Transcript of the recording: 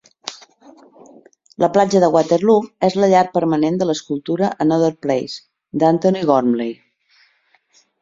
La platja de Waterloo és la llar permanent de l'escultura "Another Place" d'Antony Gormley.